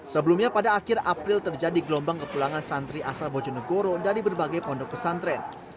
sebelumnya pada akhir april terjadi gelombang kepulangan santri asal bojonegoro dari berbagai pondok pesantren